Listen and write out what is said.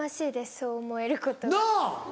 そう思えることが。なぁ！